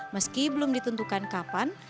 meski belum ditentukan kapan